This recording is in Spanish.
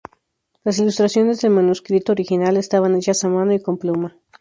Las ilustraciones del manuscrito original estaban hechas a mano y con pluma.